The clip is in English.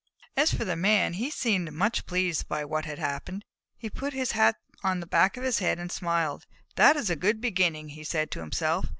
As for the Man, he seemed much pleased by what had happened. He put his hat on the back of his head and smiled. "That is a good beginning," he said to himself.